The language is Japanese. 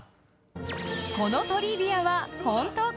［このトリビアは本当か？